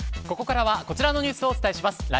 ここからはこちらのニュースをお伝えします。